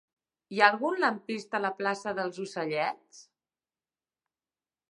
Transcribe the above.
Hi ha algun lampista a la plaça dels Ocellets?